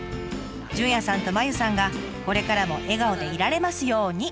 じゅんやさんとまゆさんがこれからも笑顔でいられますように。